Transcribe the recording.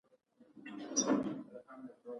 استاد د وطن جوړوونکی دی.